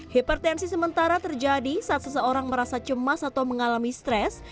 hipertensi sementara terjadi saat seseorang merasa cemas atau mengalami stres